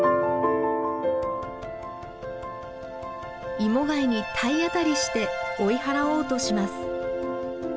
イモガイに体当たりして追い払おうとします。